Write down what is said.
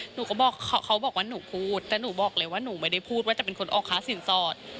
หนูก็บอกเขาบอกว่าหนูพูดแต่หนูบอกเลยว่าหนูไม่ได้พูดว่าจะเป็นคนออกค่าสินสอด